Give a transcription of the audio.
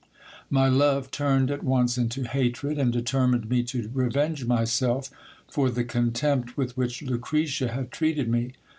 My love turned at once into hatred, and determined me to revenge myself for the contempt with which Lucretia had treated me.